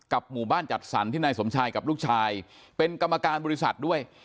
หมู่บ้านจัดสรรที่นายสมชายกับลูกชายเป็นกรรมการบริษัทด้วย